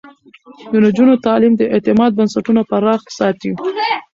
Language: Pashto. د نجونو تعليم د اعتماد بنسټونه پراخ ساتي.